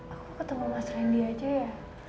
aku ketemu mas randy aja ya